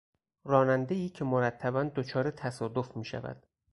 رانندهای که مرتبا دچار تصادف میشود